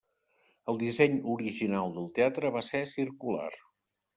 El disseny original del teatre va ser circular.